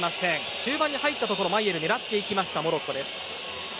中盤に入ったところをマイェルが狙ったモロッコです。